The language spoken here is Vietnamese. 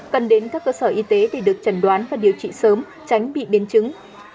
cần đến các cơ sở y tế để được trần đoán và điều trị sớm tránh bị biến chứng